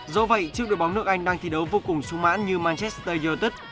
dẫu vậy trước đội bóng nước anh đang thi đấu vô cùng súng mãn như manchester united